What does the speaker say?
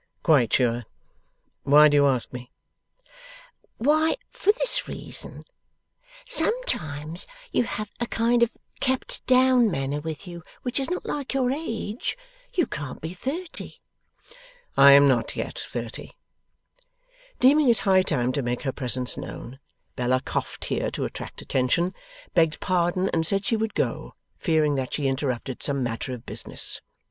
'Quite sure. Why do you ask me?' 'Why, for this reason. Sometimes you have a kind of kept down manner with you, which is not like your age. You can't be thirty?' 'I am not yet thirty.' Deeming it high time to make her presence known, Bella coughed here to attract attention, begged pardon, and said she would go, fearing that she interrupted some matter of business.